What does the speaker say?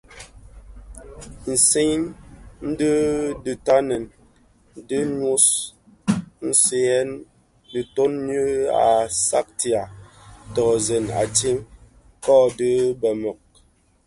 Nsiň dhi ditani di nôs, ntseyèn diton nyi nʼyaksag tsōzèn atsee bë kodo bëmebög.